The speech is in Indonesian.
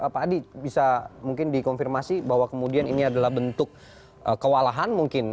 pak adi bisa mungkin dikonfirmasi bahwa kemudian ini adalah bentuk kewalahan mungkin